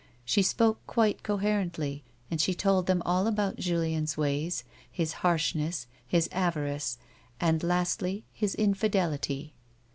She spoke quite coherently, and she told them all about Julien's odd ways, his harshness, his avarice, and, lastly, his infidelity.